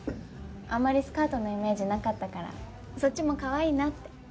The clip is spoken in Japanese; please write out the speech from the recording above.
あまりスカートのイメージなかったからそっちもかわいいなって。